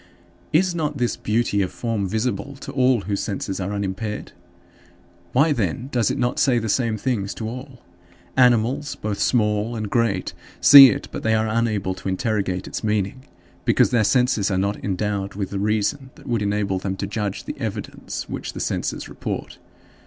10. Is not this beauty of form visible to all whose senses are unimpaired? Why, then, does it not say the same things to all? Animals, both small and great, see it but they are unable to interrogate its meaning, because their senses are not endowed with the reason that would enable them to judge the evidence which the senses report.